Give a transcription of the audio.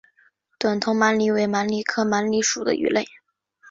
短头鳗鲡为鳗鲡科鳗鲡属的鱼类。